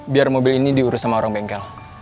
biar mobil ini diurus sama orang bengkel